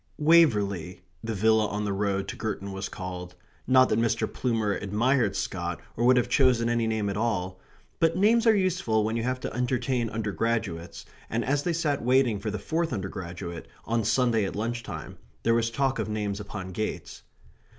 "Waverley," the villa on the road to Girton was called, not that Mr. Plumer admired Scott or would have chosen any name at all, but names are useful when you have to entertain undergraduates, and as they sat waiting for the fourth undergraduate, on Sunday at lunch time, there was talk of names upon gates.